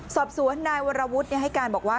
สอบสวนนายวรวุฒิให้การบอกว่า